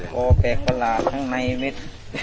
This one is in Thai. ก็แปลกประหลาดทั้งในเม็ด